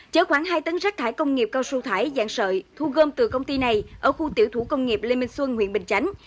chở khoảng hai tấn rác thải công nghiệp cao su thải dạng sợi thu gom từ công ty này ở khu tiểu thủ công nghiệp lê minh xuân huyện bình chánh